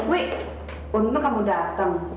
wih untuk kamu datang